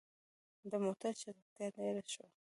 د موټر چټکتيا ډيره شوه.